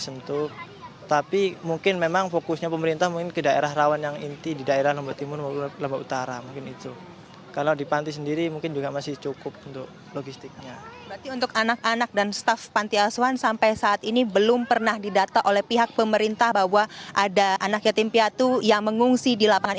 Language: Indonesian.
sedangkan memang secara garis besarnya bantuan ini memang belum diketahui